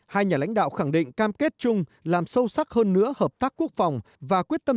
hai nhà lãnh đạo khẳng định cam kết chung làm sâu sắc hơn nữa hợp tác quốc phòng và quyết tâm